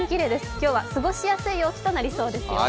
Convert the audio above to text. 今日は過ごしやすい陽気となりそうですよ。